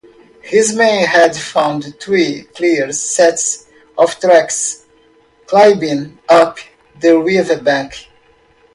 His men had found three clear sets of tracks climbing up the river bank.